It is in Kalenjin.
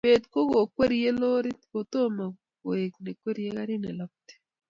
kibet ko kokwerie lorit kotomo koek ne kwerie garit ne lapati